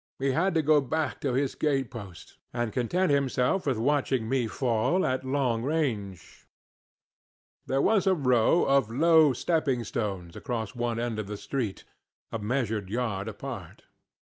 He had to go back to his gate post, and content himself with watching me fall at long range. There was a row of low stepping stones across one end of the street, a measured yard apart.